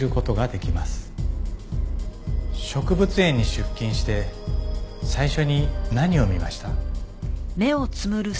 植物園に出勤して最初に何を見ました？